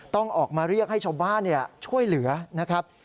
ต้องออกมาเรียกให้ชาวบ้านช่วยเหลือนะครับ